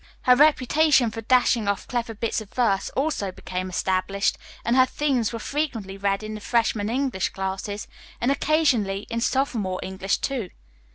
Her reputation for dashing off clever bits of verse also became established, and her themes were frequently read in the freshman English classes and occasionally in sophomore English, too.